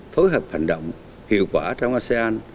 phối hợp hành động hiệu quả trong asean